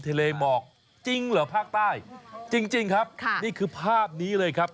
ทะเลหมอกจริงเหรอภาคใต้จริงครับค่ะนี่คือภาพนี้เลยครับ